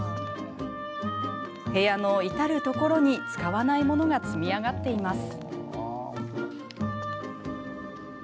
部屋の至る所に使わないものが積み上がっています。